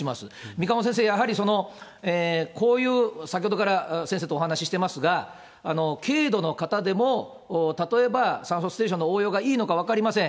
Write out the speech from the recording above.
三鴨先生、やはりこういう、先ほどから先生とお話していますが、軽度の方でも、例えば酸素ステーションの応用がいいのか分かりません。